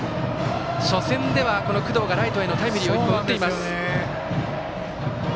初戦では工藤がライトへのタイムリーヒットを１本打っています。